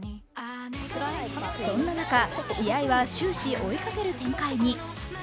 そんな中、試合は終始追いかける展開に。